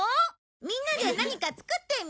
みんなで何か作ってみよう。